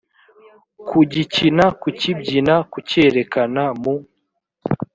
kugikina kukibyina kucyerekana mu